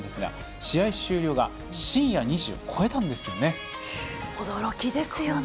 試合終了が深夜２時を超えたんですよね。